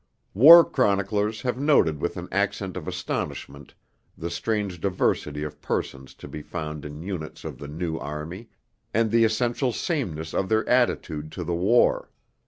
War chroniclers have noted with an accent of astonishment the strange diversity of persons to be found in units of the New Army, and the essential sameness of their attitude to the war.